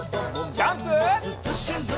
ジャンプ！